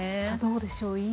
さあどうでしょう。